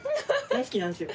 大好きなんですよ。